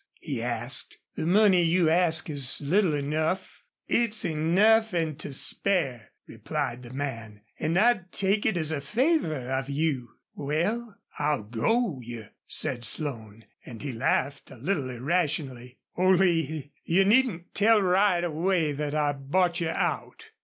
he asked. "The money you ask is little enough." "It's enough an' to spare," replied the man. "An' I'd take it as a favor of you." "Well, I'll go you," said Slone, and he laughed a little irrationally. "Only you needn't tell right away that I bought you out."